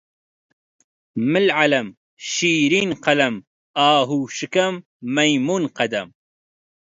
مل عەلەم، شیرین قەلەم، ئاهوو شکەم، مەیموون قەدەم